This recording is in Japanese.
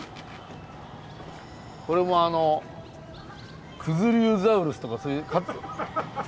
これもあの九頭竜ザウルスとかそういう。